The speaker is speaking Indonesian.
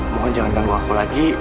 mohon jangan ganggu aku lagi